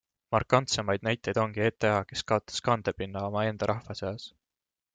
Markantsemaid näiteid ongi ETA, kes kaotas kandepinna oma enda rahva seas.